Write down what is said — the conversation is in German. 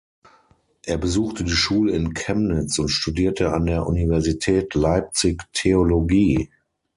Er besuchte die Schule in Chemnitz und studierte an der Universität Leipzig Theologie.